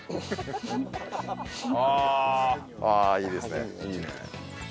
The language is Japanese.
ああいいですね。